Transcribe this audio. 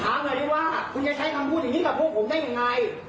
อาจจะใช้คำพูดแบบนี้กับพวกผมได้ยังไง